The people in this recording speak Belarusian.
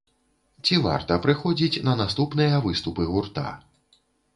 Ці варта прыходзіць на наступныя выступы гурта?